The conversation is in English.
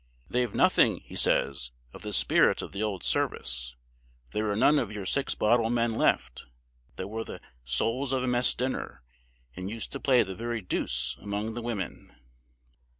"They've nothing," he says, "of the spirit of the old service. There are none of your six bottle men left, that were the souls of a mess dinner, and used to play the very deuce among the women."